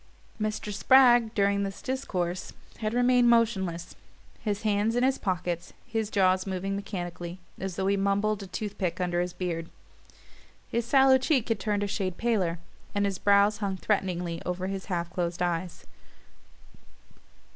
Mr. Spragg, during this discourse, had remained motionless, his hands in his pockets, his jaws moving mechanically, as though he mumbled a tooth pick under his beard. His sallow cheek had turned a shade paler, and his brows hung threateningly over his half closed eyes.